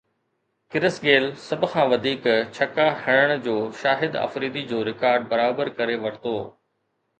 ڪرس Gayle سڀ کان وڌيڪ ڇڪا هڻڻ جو شاهد آفريدي جو رڪارڊ برابر ڪري ورتو